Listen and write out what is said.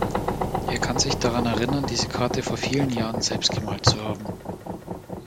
Er kann sich daran erinnern, diese Karte vor vielen Jahren selbst gemalt zu haben.